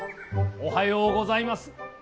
おはようございます。